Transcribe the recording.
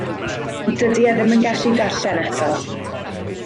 Dydi e ddim yn gallu darllen eto.